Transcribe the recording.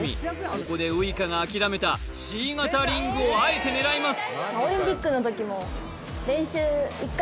ここでウイカが諦めたＣ型リングをあえて狙います